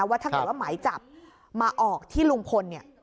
ว่าถ้าเกิดว่าหมายจับมาออกที่ลุงพลเนี่ย